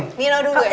nino dulu ya